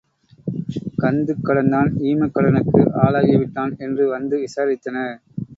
கந்துக்கடன்தான் ஈமக்கடனுக்கு ஆளாகிவிட்டான் என்று வந்து விசாரித்தனர்.